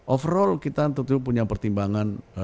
overall kita tentu punya pertimbangan